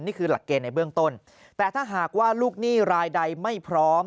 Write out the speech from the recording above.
นี่คือหลักเกณฑ์ในเบื้องต้นแต่ถ้าหากว่าลูกหนี้รายใดไม่พร้อม